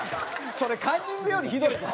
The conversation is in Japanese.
それカンニングよりひどいぞ。